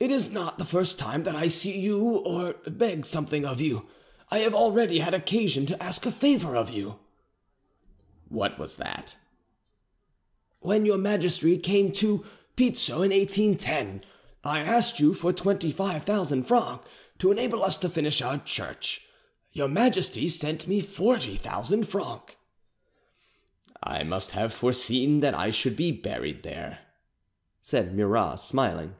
It is not, the first time that I see you or beg something of you. I have already had occasion to ask a favour of you." "What was that?" "When your Majesty came to Pizzo in 1810, I asked you for 25,000 francs to enable us to finish our church. Your Majesty sent me 40,000 francs." "I must have foreseen that I should be buried there," said Murat, smiling.